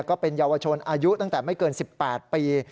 ก็เป็นเยาวชนอายุตั้งแต่ไม่เกิน๑๘ปี